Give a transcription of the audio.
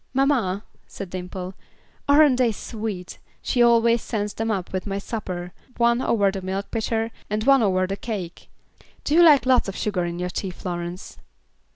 "Mamma," said Dimple. "Aren't they sweet? She always sends them up with my supper, one over the milk pitcher, and one over the cake. Do you like lots of sugar in your tea, Florence?"